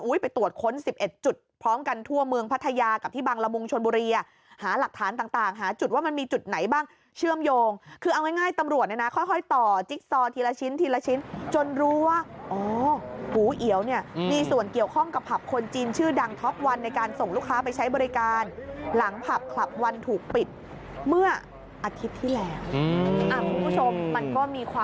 อุ้ยไปตรวจค้นสิบเอ็ดจุดพร้อมกันทั่วเมืองพัทยากับที่บางระมุงชนบุรีอ่ะหาหลักฐานต่างต่างหาจุดว่ามันมีจุดไหนบ้างเชื่อมโยงคือเอาง่ายตำรวจเนี่ยนะค่อยต่อจิ๊กซอลทีละชิ้นทีละชิ้นจนรู้ว่าอ๋อหูเหียวเนี่ยมีส่วนเกี่ยวข้องกับผับคนจีนชื่อดังท็อปวันในการส่งลูกค้